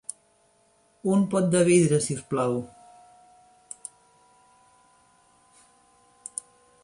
Un pot de vidre, si us plau.